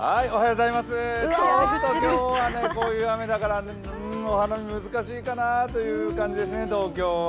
ちょっと今日はこういう雨だから、お花見難しいかなという感じですね、東京は。